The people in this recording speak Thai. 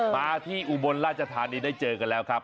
มาที่อุบลราชธานีได้เจอกันแล้วครับ